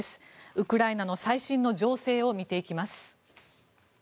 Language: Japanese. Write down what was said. ウクライナの最新の情勢を見ていきます。